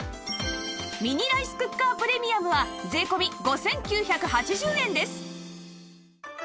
ミニライスクッカープレミアムは税込５９８０円です